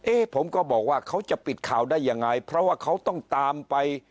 ผมก็บอกว่าเขาจะปิดข่าวได้ยังไงเพราะว่าเขาต้องตามไป